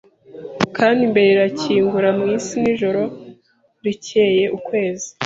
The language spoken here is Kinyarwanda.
Kandi imbere irakingura mwisi Nijoro rikeye ukwezi